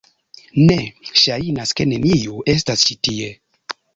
Ne, ŝajnas ke neniu estas ĉi tie.